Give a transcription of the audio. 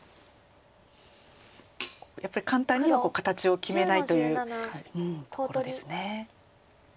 やっぱり簡単には形を決めないというところですね。